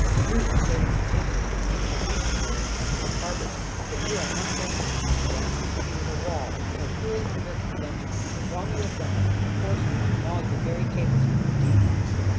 You are sailing to Italy, and you shall reach Italy and enter its harbors. But you are not destined to surround your city with a wall, till cruel hunger and vengeance for the wrong you have done us force you to gnaw your very tables with your teeth."